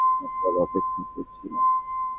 আপনার অপেক্ষা করছিলাম।